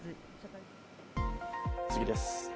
次です。